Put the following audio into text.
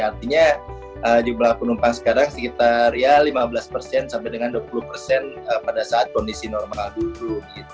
artinya jumlah penumpang sekarang sekitar ya lima belas persen sampai dengan dua puluh persen pada saat kondisi normal dulu